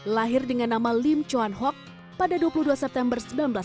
lahir dengan nama lim chuan hok pada dua puluh dua september seribu sembilan ratus enam puluh